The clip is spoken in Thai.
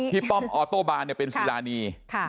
พี่ป้อมออโตบานเป็นซีรานี